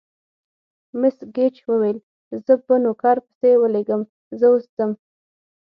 مس ګېج وویل: زه به نوکر پسې ولېږم، زه اوس ځم.